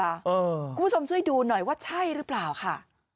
คุณผู้ชมช่วยดูหน่อยว่าใช่หรือเปล่าค่ะ